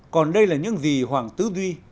còn đây là những gì hoàng tứ duy